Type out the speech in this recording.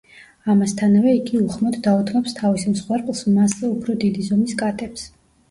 ამასთანავე იგი უხმოდ დაუთმობს თავის მსხვერპლს მასზე უფრო დიდი ზომის კატებს.